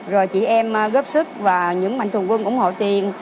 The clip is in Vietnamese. rồi chị em góp sức và những mạnh thường quân ủng hộ tiền